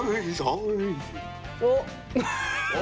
おっ。